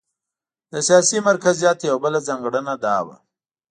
د سیاسي مرکزیت یوه بله ځانګړنه دا وه.